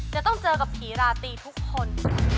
จะต้องเจอกับผีราตรีทุกคน